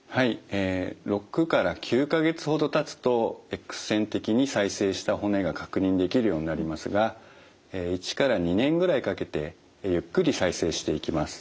え６９か月ほどたつとＸ線的に再生した骨が確認できるようになりますが１２年ぐらいかけてゆっくり再生していきます。